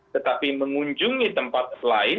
tetapi mengunjungi tempat lain